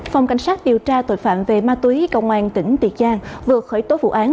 phòng cảnh sát điều tra tội phạm về ma túy công an tỉnh tiền giang vừa khởi tố vụ án